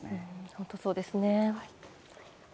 本当、そうですね。